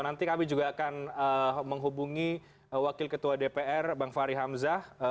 nanti kami juga akan menghubungi wakil ketua dpr bang fahri hamzah